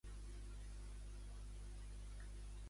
Com no vol Puigdemont que sigui el país que ens representi?